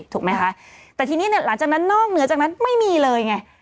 แต่ทีนี้หลังจากนั้นนอกเหนือจากนั้นไม่มีเลยไง